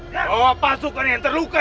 bawa pasukan yang terluka